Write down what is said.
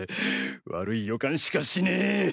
悪い予感しかしねぇ。